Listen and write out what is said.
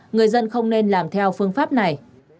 người dân không nên làm theo phương pháp này